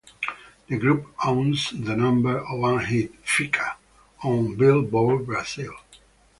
The group owns the number one hit "Fica" on Billboard Brasil.